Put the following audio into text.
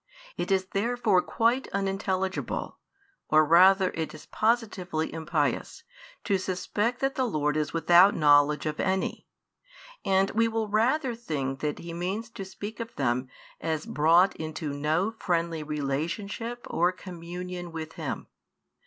It is therefore quite unintelligible, or rather it is positively impious, to suspect that the Lord is without knowledge of any; and we will rather think that He means to speak of them as brought into no friendly relationship or communion with Him.